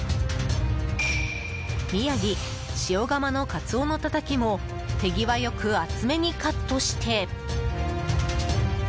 宮城・塩竈のカツオのたたきも手際よく厚目にカットして。